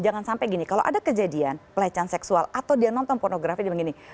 jangan sampai gini kalau ada kejadian pelecehan seksual atau dia nonton pornografi dia begini